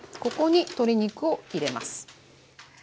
ここに鶏肉を入れます。